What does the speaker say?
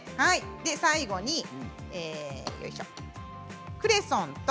最後にクレソンと。